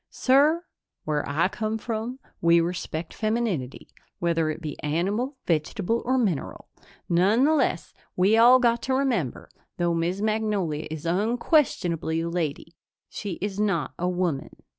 "Sir, where I come from, we respect femininity, whether it be animal, vegetable or mineral. Nonetheless, we all got to remember, though Miss Magnolia is unquestionably a lady, she is not a woman."